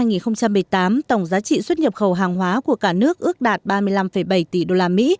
trong tháng bốn năm hai nghìn một mươi tám tổng giá trị xuất nhập khẩu hàng hóa của cả nước ước đạt ba mươi năm bảy tỷ usd